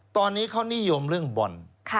ตอนนี้เขานิยมเรื่องบอล